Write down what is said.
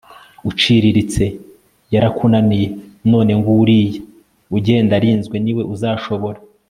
uciriritse yarakunaniye none nguriya ugenda arinzwe niwe uzashobora